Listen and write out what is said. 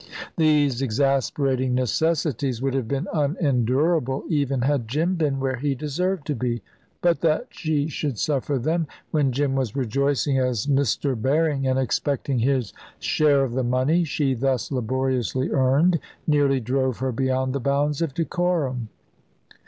These exasperating necessities would have been unendurable, even had Jim been where he deserved to be; but that she should suffer them, when Jim was rejoicing as Mr. Berring and expecting his share of the money she thus laboriously earned, nearly drove her beyond the bounds of decorum.